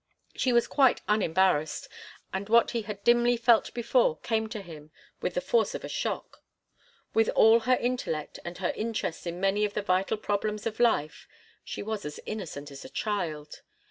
She was quite unembarrassed, and what he had dimly felt before came to him with the force of a shock. With all her intellect and her interest in many of the vital problems of life, she was as innocent as a child.